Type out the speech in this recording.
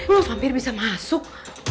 belum vampir bisa masuk